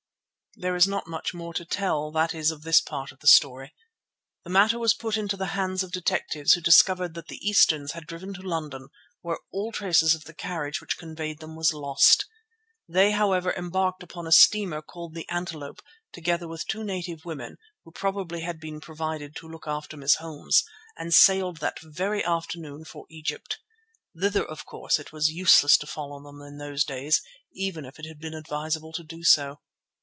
There is not much more to tell, that is of this part of the story. The matter was put into the hands of detectives who discovered that the Easterns had driven to London, where all traces of the carriage which conveyed them was lost. They, however, embarked upon a steamer called the Antelope, together with two native women, who probably had been provided to look after Miss Holmes, and sailed that very afternoon for Egypt. Thither, of course, it was useless to follow them in those days, even if it had been advisable to do so.